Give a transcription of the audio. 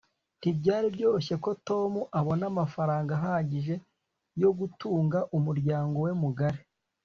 ntibyari byoroshye ko tom abona amafaranga ahagije yo gutunga umuryango we mugari